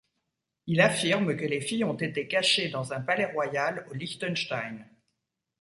Il affirme que les filles ont été cachées dans un palais royal au Liechtenstein.